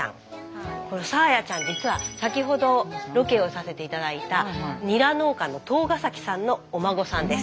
このさあやちゃん実は先ほどロケをさせて頂いたニラ農家の東ヶ崎さんのお孫さんです。